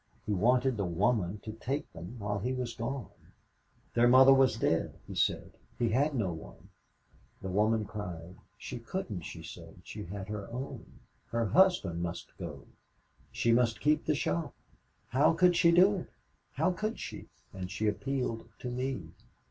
He wanted the woman to take them while he was gone. Their mother was dead, he said. He had no one. The woman cried. She couldn't, she said; she had her own her husband must go. She must keep the shop. How could she do it how could she and she appealed to me.